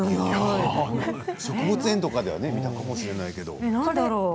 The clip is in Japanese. いや植物園とかでは見たかもしれないけど。